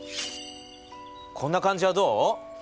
こんな感じはどう？